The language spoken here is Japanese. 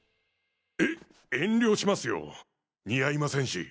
え遠慮しますよ。似合いませんし。